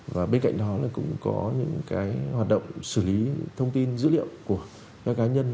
và bên cạnh đó là cũng có những cái hoạt động xử lý thông tin dữ liệu của các cá nhân